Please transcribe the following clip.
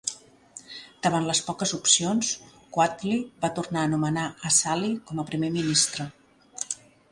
Davant les poques opcions, Quwatli va tornar a nomenar Asali com a primer ministre.